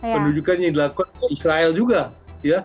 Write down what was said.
penunjukan yang dilakukan oleh israel juga ya